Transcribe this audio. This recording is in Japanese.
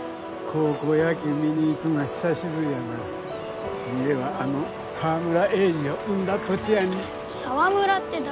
高校野球見に行くんは久しぶりやな三重はあの沢村栄治を生んだ土地やに沢村って誰？